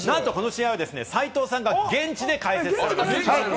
なんとこの試合は斉藤さんが現地で解説をされる。